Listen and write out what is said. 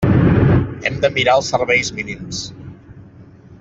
Hem de mirar els serveis mínims.